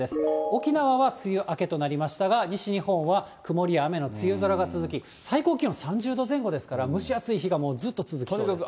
沖縄は梅雨明けとなりましたが、西日本は曇りや雨の梅雨空が続き、最高気温３０度前後ですから、蒸し暑い日がずっと続きそうです。